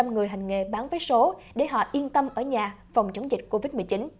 một trăm linh người hành nghề bán vé số để họ yên tâm ở nhà phòng chống dịch covid một mươi chín